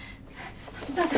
どうぞ。